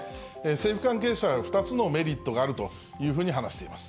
政府関係者は２つのメリットがあるというふうに話しています。